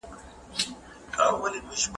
مغز د اوښکو غدو ته امر ورکوي.